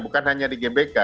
bukan hanya di gbk